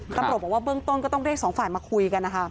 ตำรวจบอกว่าเบื้องต้นก็ต้องเรียกสองฝ่ายมาคุยกันนะคะ